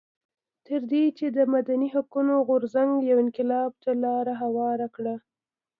تر دې چې د مدني حقونو غورځنګ یو انقلاب ته لار هواره کړه.